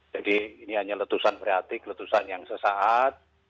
jadi ini hanya letusan priatik letusan yang sesaat